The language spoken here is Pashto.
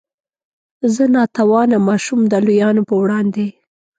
زه نا توانه ماشوم د لویانو په وړاندې.